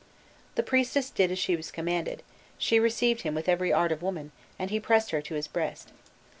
The priestess did as she was commanded; she received him with every art of woman, and he pressed her to his breast.